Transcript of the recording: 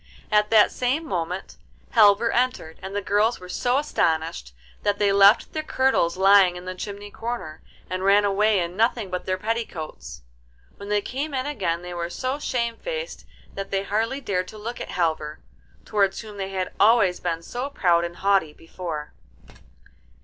At that same moment Halvor entered, and the girls were so astonished that they left their kirtles lying in the chimney corner, and ran away in nothing but their petticoats. When they came in again they were so shamefaced that they hardly dared to look at Halvor, towards whom they had always been so proud and haughty before.